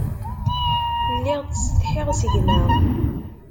Lliɣ ttsetḥiɣ s gma.